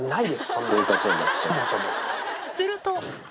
すると。